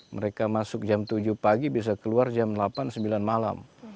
mereka masuk jam tujuh pagi bisa keluar jam delapan sembilan malam